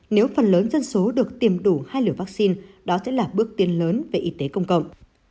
nếu phần lớn dân số được tiêm đủ hai liều vaccine đó sẽ là bước tiến lớn về y tế công cộng